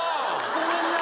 ごめんな。